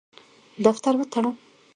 دفتر وتړم.